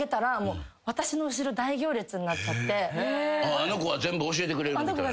「あの子が全部教えてくれる」みたいな？